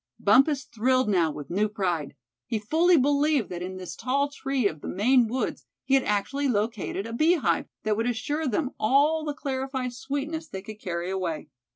Bumpus thrilled now with new pride. He fully believed that in this tall tree of the Maine woods he had actually located a bee hive that would assure them all the clarified sweetness they could carry away.